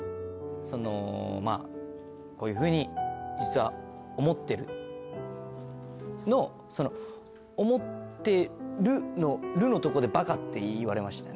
そのまぁ「こういうふうに実は思ってる」のその「思ってる」の「る」のとこで「バカ」って言われましたね。